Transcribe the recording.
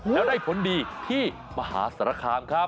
แล้วได้ผลดีที่มหาสารคามครับ